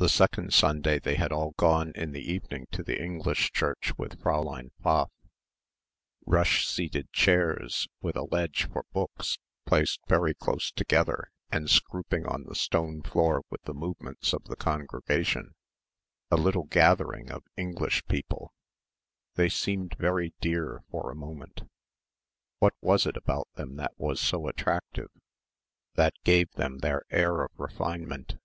The second Sunday they had all gone in the evening to the English church with Fräulein Pfaff ... rush seated chairs with a ledge for books, placed very close together and scrooping on the stone floor with the movements of the congregation ... a little gathering of English people. They seemed very dear for a moment ... what was it about them that was so attractive ... that gave them their air of "refinement"?...